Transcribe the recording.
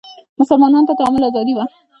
مسلمانانو ته تعامل ازادي وه